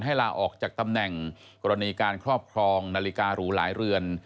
ลาออกจากตำแหน่งกรณีการครอบครองนาฬิการูหลายเรือน